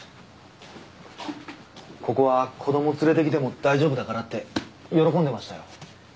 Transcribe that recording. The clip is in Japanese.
ここは子供連れてきても大丈夫だからって喜んでましたよ。